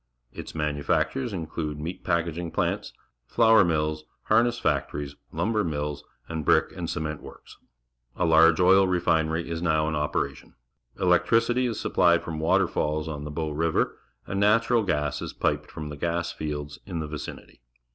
Its manufac tures include meat packing plants, flour mills, harness factories, lumber mills, and brick and cement works. A large oil refinery is now in operation. Electricity is supplied from waterfalls on the Bow River, and natural gas is piped from the gas fields in the vicinity.